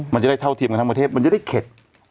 มันจะได้เท่าทีมกับธรรมเทพ